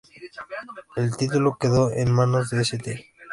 El título quedó en manos de St.